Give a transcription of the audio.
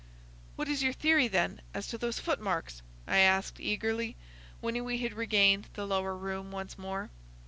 "What is your theory, then, as to those footmarks?" I asked, eagerly, when we had regained the lower room once more.